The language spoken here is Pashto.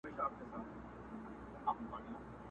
د جګو غرونو، شنو لمنو، غرڅنۍ سندري.!